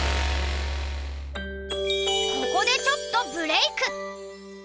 ここでちょっとブレーク！